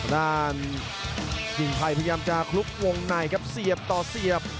ด้านกิ่งไทยพยายามจะคลุกวงในครับเสียบต่อเสียบ